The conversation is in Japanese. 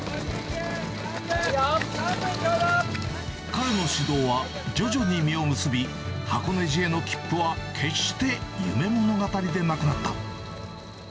彼の指導は徐々に実を結び、箱根路への切符は決して夢物語でなくなった。